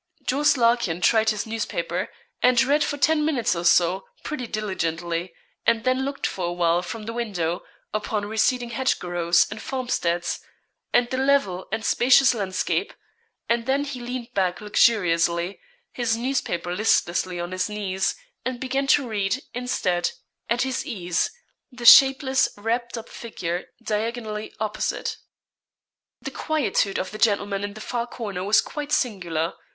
Jos. Larkin tried his newspaper, and read for ten minutes, or so, pretty diligently; and then looked for a while from the window, upon receding hedgerows and farmsteads, and the level and spacious landscape; and then he leaned back luxuriously, his newspaper listlessly on his knees, and began to read, instead, at his ease, the shapeless, wrapt up figure diagonally opposite. The quietude of the gentleman in the far corner was quite singular.